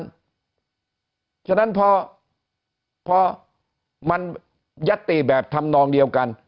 เพราะฉะนั้นพอมันยัตติแบบทำนองเดียวกัน